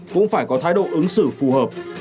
cũng phải có thái độ ứng xử phù hợp